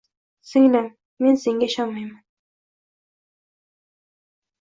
Singlim, men senga inonmayman